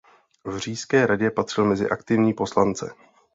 V Říšské radě patřil mezi aktivní poslance.